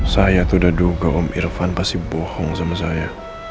saya tuh udah duga om irfan pasti bohong sama saya